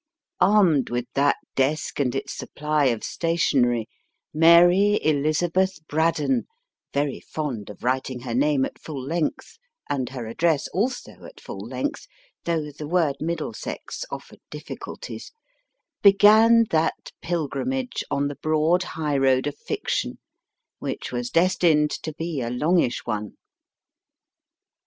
Armed with that desk and its supply of stationery, Mary Elizabeth Braddon very fond of writing her name at full length, and her address also at full length, though the word * Middlesex offered difficulties began that pilgrimage on the broad high road of fiction, which was destined to be a longish one.